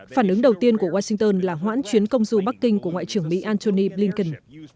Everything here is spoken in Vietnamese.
phản ứng đầu tiên của washington là hoãn chuyến công du bắc kinh của ngoại trưởng mỹ antony blinken